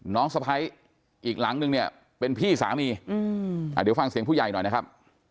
น้องสะไพรอีกหลังหนึ่งเนี่ยเป็นพี่สามีอืมอ่าเดี๋ยวฟังเสียงผู้ใหญ่หน่อยนะครับ